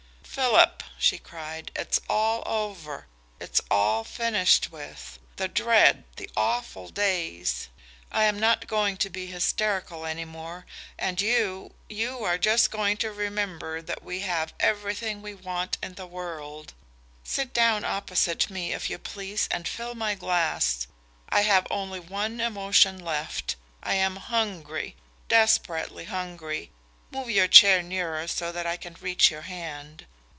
"Philip," she cried, "it's all over it's all finished with the dread, the awful days! I am not going to be hysterical any more, and you you are just going to remember that we have everything we want in the world. Sit down opposite to me, if you please, and fill my glass. I have only one emotion left. I am hungry desperately hungry. Move your chair nearer so that I can reach your hand.